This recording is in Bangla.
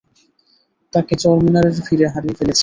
তাকে চারমিনারের ভীড়ে হারিয়ে ফেলেছি।